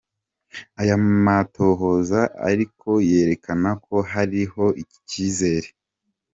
Ayo matohoza ariko yerekana ko hariho icizere.